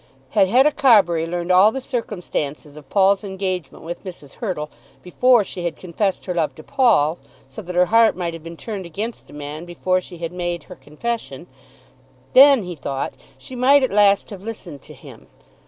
Had Hetta Carbury learned all the circumstances of Paul's engagement with Mrs. Hurtle before she had confessed her love to Paul, so that her heart might have been turned against the man before she had made her confession, then, he thought, she might at last have listened to him.